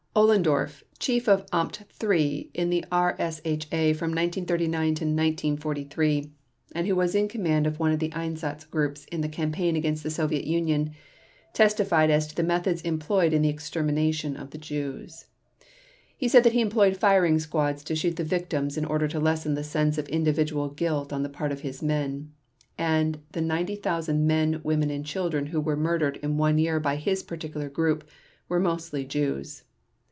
Ohlendorf, Chief of Amt III in the RSHA from 1939 to 1943, and who was in command of one of the Einsatz groups in the campaign against the Soviet Union testified as to the methods employed in the extermination of the Jews. He said that he employed firing squads to shoot the victims in order to lessen the sense of individual guilt on the part of his men; and the 90,000 men, women, and children who were murdered in one year by his particular group were mostly Jews.